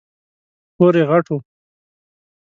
کور یې غټ و .